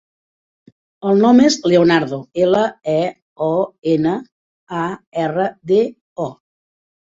El nom és Leonardo: ela, e, o, ena, a, erra, de, o.